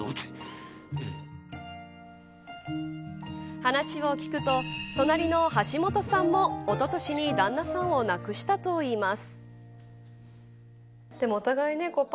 話を聞くと隣のハシモトさんもおととしに旦那さんを亡くしたといいます。